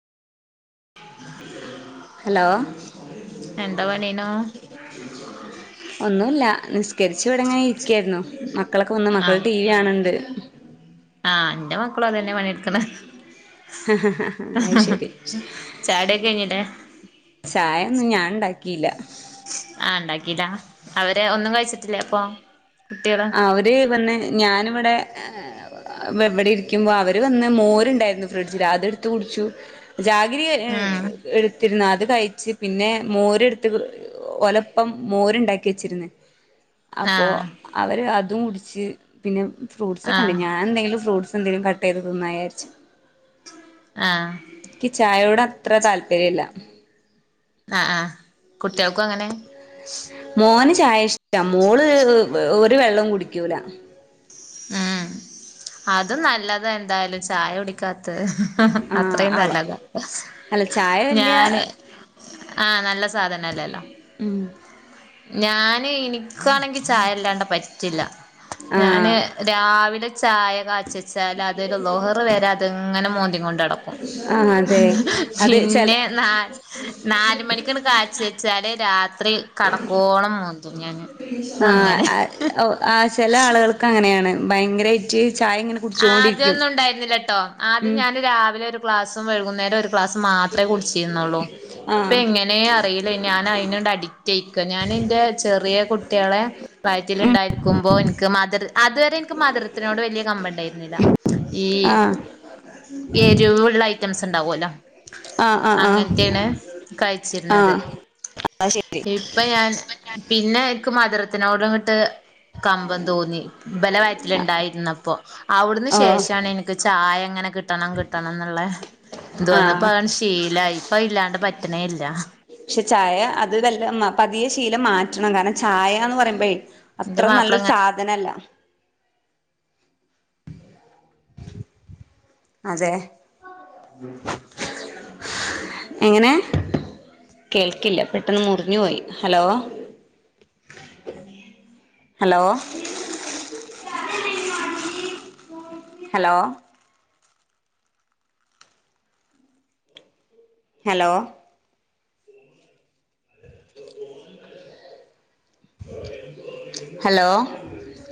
hello എന്ത പണീന്നൂ ഒന്നൂല്ലാ നിസ്കെര്ച്ച് ഇവെടെങ്ങെനെ ഇരിക്കേയ്ര്ന്നു മക്കളൊക്കെ വന്ന് മക്കള് ആഹ് ടീ വ്യാണ്‌ണ്ട് ആഹ് ഇന്റെ മക്കളും അതന്നെ പണിട്ക്ക്ണ് അത് ശരി ചായ്ട്യൊക്കെ കെഴിഞ്ഞില്ലേ ചായാെന്നും ഞാൻണ്ടാക്കീല്ലാ ആഹ് ണ്ടാക്കീല്ലാ അവെര് ഒന്നും കഴിച്ചിട്ടില്ലെ അപ്പോം കുട്ടികെള് അവെര് വെന്ന് ഞാന്‌വെടെ എഹ് ഏഹ് വെ വെടെരിക്ക്യുമ്പാെ അവെര് വെന്ന് മോര്ണ്ടേയ്ര്ന്നു ഫ്രിഡ്ജില് അതെട്ത്ത് കുടിച്ചു ജാഗിരി ഉം ഏഹ് എട്ത്തിര്ന്ന് അത് കഴിച്ച് പിന്നേ മോര്ട്ത്ത് ഒലെപ്പം മോര്ണ്ടാക്കി വെച്ചിര്ന്ന് അപ്പോ ആഹ് അവെര് അതും കുട്ച്ച് പിന്നെ ഫ്രൂട്ട്സാെക്കെണ്ട് ആഹ് ഞാൻ എന്തേലും ഫ്രൂട്ട്സെന്തേലും കട്ടെയ്ത് തിന്നായാര്ച്ച് ആഹ് ക്ക്യ് ചായോട് അത്ര താൽപ്പര്യല്ലാ ആഹ് ആഹ് കുട്ട്യാൾക്കും അങ്ങെനെ മോന് ചായ ഇഷ്ട്ടാ മോള് ഒരു വെള്ളും കുടിക്ക്യൂലാ ഊം അതും നല്ലെതാ എന്തായാലും ചായ കുടി ക്കാത്തെ ആഹ് അത്രേം അവ നല്ലെതാ അല്ല ചായ വല്യ ഞാന് ആഹ് നല്ല സാധനെല്ലെല്ലോ ഉം ഞാന് ഇനിക്കാണെങ്കി ചായല്ലാണ്ട് പ റ്റില്ല ഞാന് ആഹ് രാവിലെ ചായ കാച്ച് ച്ചാട്ട് അതൊര് ളുഹ്റ് വെരെ അത്ങ്ങെനെ മോന്തിങ്ങോണ്ടട ആഹ് അതെ അത് ചെല പിന്നെ നാ നാല് മണിക്ക്ന്ന് കാച്ച് വെച്ചാല് രാത്രി കടക്കോളം മോന്തും ഞാന് ക്കങ്ങനെ ആഹ് ഒ ആഹ് ചെല ആള്കൾക്കങ്ങെനെയാണ് ഭയങ്കരേയ്റ്റ് ചായെങ്ങെനെ ആദ്യാെന്നും ഉണ്ടായ്ര്ന്നില്ലട്ടോ ആദ്യം ഉം ഞാന് രാവിലൊര് ക്ലാസ്സും വെഴ്കുന്നേരാെര് ക്ലാസും മാത്രേ കുട്ച്ചീര്ന്നാെള്ളൂ പ്പെ ആഹ് എങ്ങെനേ അറീലെ ഞാനയ്നാണ്ട് അഡിക്റ്റ്യായ്ക്ക ഞാൻ ഇന്റെ ചെറിയെ കുട്ട്യേളെ ഉം വയറ്റില്ണ്ടായ്ര്ക്കുമ്പോ ഇൻക്ക് മധ്‌ര് അത്‌വെരെ ഇൻക്ക് മധ്‌രത്ത്നോട് വെല്യ കമ്പ ണ്ടായ്ര്ന്നില്ല ഈ ആഹ് എര്‌വ്ള്ള ഐറ്റംസ് ണ്ടാവോല്ലാെ ആഹ് ആഹ് ആഹ് അങ്ങെൻത്തേണ് കയ്ച്ചിര്ന്നെത് ആഹ് അത് ശരി ഞാൻ പിന്നെ ഇൻക്ക് മധ്‌രത്ത്നോട്ങ്ങെട്ട് കമ്പം തോന്നി ബെലെ വയെറ്റ്ല്ണ്ടായ്ര്ന്നപ്പാെ അവ്ട്ന്ന് ഓഹ് ശേഷാ നെ എനിക്ക് ചായങ്ങനെ കിട്ടണം കിട്ടണം എന്നൊള്ളെ ഇത് വന്നപ്പ ആഹ് അത് ശീ ശീലായി പ്പ ഇല്ലാണ്ട് പറ്റ്ണേല്ല പക്ഷെ ചായ അതിദല്ലമ്മ പതിയെ ശീലം മാറ്റണം കാരണം ചായ എന്ന് പറയുമ്പഴേ എന്റെ അത്ര മാപ്പിള നല്ലൊരു ഇങ്ങനെ സാധനല്ല അതേ [unintelligible] എങ്ങെനെ കേൾക്കില്ല പെട്ടെന്ന് മുറിഞ്ഞു പോയി hello hello hello hello hello